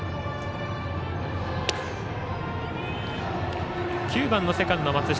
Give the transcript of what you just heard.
バッター、９番のセカンド、松下。